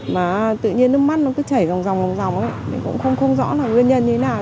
mà tự nhiên nước mắt nó cứ chảy dòng dòng dòng dòng ấy mình cũng không rõ là nguyên nhân như thế nào